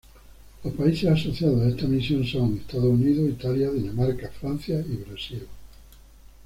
Los países asociados a esta misión son: Estados Unidos, Italia, Dinamarca, Francia y Brasil.